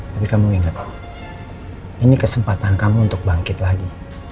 tapi kamu ingat ini kesempatan kamu untuk bangkit lagi